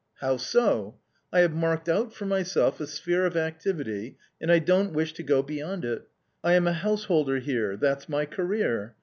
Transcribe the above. " How so ?"" I have marked out for myself a sphere of activity and I don't wish to go beyond it. I am a householder here ; that's my career.